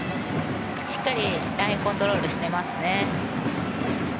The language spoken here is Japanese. しっかりラインコントロールしてますね。